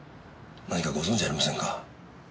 何かご存じありませんか？